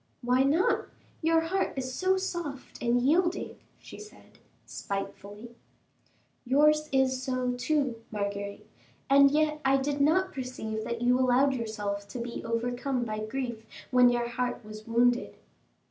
"Why not? Your heart is so soft and yielding," she said, spitefully. "Yours is so, too, Marguerite, and yet I did not perceive that you allowed yourself to be overcome by grief when your heart was wounded."